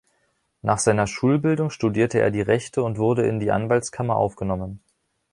Nach seiner Schulbildung studierte er die Rechte und wurde in die Anwaltskammer aufgenommen.